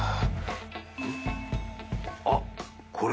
あっこれ翊